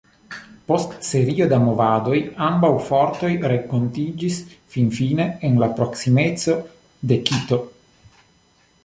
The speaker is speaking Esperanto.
Post serio da movadoj, ambaŭ fortoj renkontiĝis finfine en la proksimeco de Kito.